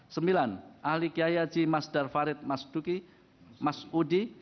sembilan ahli kiai haji mas darfarid mas duki mas udi